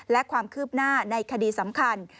และความคืบหน้าในคดีสำคัญ